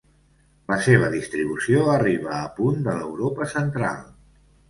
La seva distribució arriba a punt de l'Europa Central.